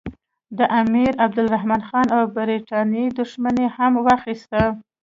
د امیرعبدالرحمن خان او برټانیې دښمني یې هم واخیسته.